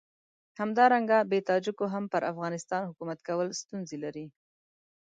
همدارنګه بې تاجکو هم پر افغانستان حکومت کول ستونزې لري.